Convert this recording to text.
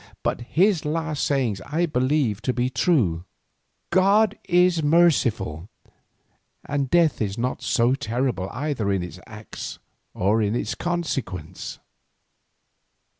But his last sayings I believe to be true. God is merciful, and death is not terrible either in its act or in its consequence.